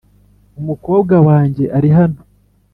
umukobwa wanjye ari hano.